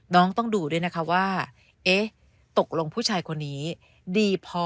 น้องต้องดูด้วยนะคะว่าเอ๊ะตกลงผู้ชายคนนี้ดีพอ